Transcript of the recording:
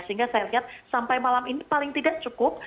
sehingga saya lihat sampai malam ini paling tidak cukup